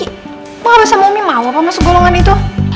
kok abah sama umi mau apa masuk golongan itu